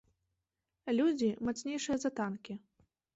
Людзі, мацнейшыя за танкі.